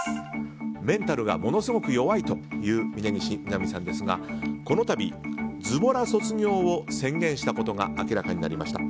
メンタルがものすごく弱いという峯岸みなみさんですがこのたびズボラ卒業を宣言したことが明らかになりました。